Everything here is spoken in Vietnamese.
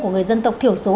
của người dân tộc thiểu số